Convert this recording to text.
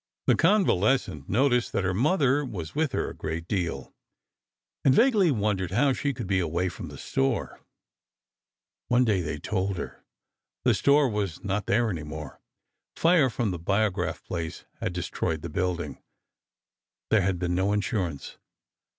The convalescent noticed that her mother was with her a great deal, and vaguely wondered how she could be away from the store. One day they told her. The store was not there any more. Fire from the Biograph place had destroyed the building. There had been no insurance.